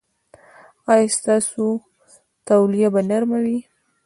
ایا ستاسو تولیه به نرمه وي؟